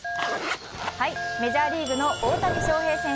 メジャーリーグの大谷翔平選手。